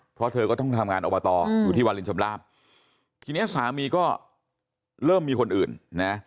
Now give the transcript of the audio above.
เพราะเธอก็ต้องทำงานอบตอยู่ที่วาลินชำลาบทีเนี้ยสามีก็เริ่มมีคนอื่นนะ